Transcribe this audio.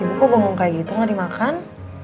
ibu kok bengong kayak gitu gak dimakan